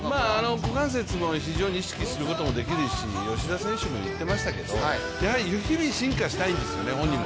股関節も非常に意識することもできるし吉田選手も言っていましたけれどもやはり進化したいんですよね、本人も。